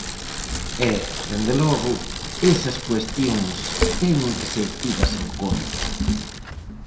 E, dende logo, esas cuestións teñen que ser tidas en conta.